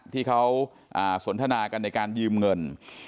ที่เขาสนทนากันในการยืมเงิน